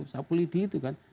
sapulidi itu kan